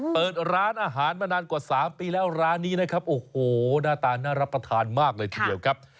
เปิดร้านอาหารมานานกว่า๓ปีแล้วร้านนี้นะครับโอ้โหหน้าตาน่ารับประทานมากเลยทีเดียวครับ